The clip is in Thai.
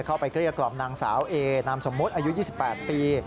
เกลี้ยกล่อมนางสาวเอนามสมมุติอายุ๒๘ปี